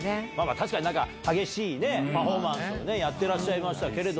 確かに激しいパフォーマンスをやってらっしゃいましたけれど。